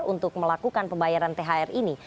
untuk melakukan pembayaran thr ini